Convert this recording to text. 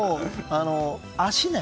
足ね